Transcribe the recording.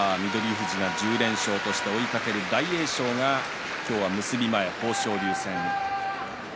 富士が１０連勝として追いかける大栄翔が今日、結び前、豊昇龍戦。